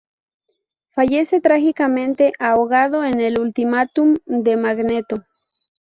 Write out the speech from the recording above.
Fallece trágicamente ahogado en el Ultimatum de Magneto.